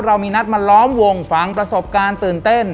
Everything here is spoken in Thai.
เรามีนัดมาล้อมวงฝังประสบการณ์ตื่นเต้น